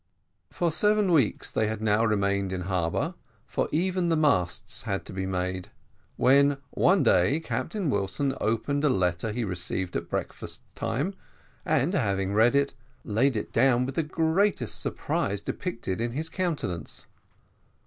For seven weeks they had now remained in harbour, for even the masts had to be made, when, one day, Captain Wilson opened a letter he received at breakfast time, and having read it, laid it down with the greatest surprise depicted in his countenance.